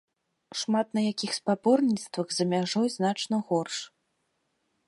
Шмат на якіх спаборніцтвах за мяжой значна горш.